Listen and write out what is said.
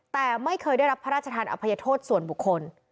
แต่ไม่เคยได้รับพระราชทานอภัยโทษส่วนบุคคล